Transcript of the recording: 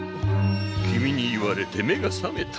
君に言われて目が覚めた。